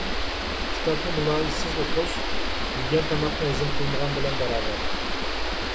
كىتابنى مۇلاھىزىسىز ئوقۇش، يېگەن تاماقنى ھەزىم قىلمىغان بىلەن باراۋەر.